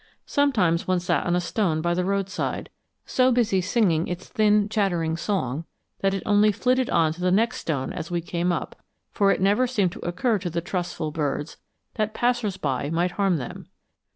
Sometimes one sat on a stone by the roadside, so busy singing its thin chattering song that it only flitted on to the next stone as we came up; for it never seemed to occur to the trustful birds that passers by might harm them.